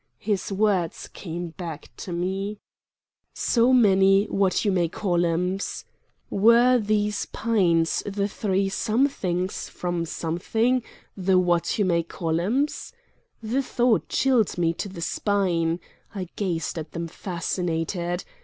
His words came back to me. "So many what you may call 'ems." Were these pines the three somethings from something, the what you may call 'ems? The thought chilled me to the spine. I gazed at them fascinated.